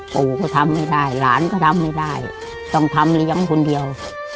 ปู่ก็ทำไม่ได้หลานก็ทำไม่ได้ต้องทำเลี้ยงคนเดียว